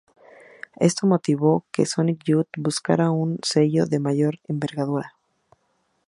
Esto motivó que Sonic Youth buscara un sello de mayor envergadura.